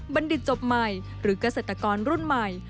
บัณฑิตจบใหม่หรือเกษตรกรรุ่นใหม่